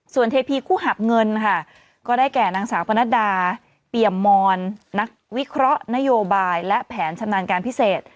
ส่วนเทพีคู่หับเงินค่ะก็ได้แก่นางสาวปนัดดาเปี่ยมมอนนักวิเคราะห์นโยบายและแผนชำนาญการพิเศษ